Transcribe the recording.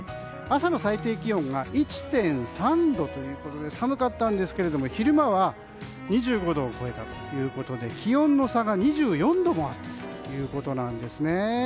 朝の最低気温が１．３度ということで寒かったんですが、昼間は２５度を超えたということで気温の差が２４度もあったんですね。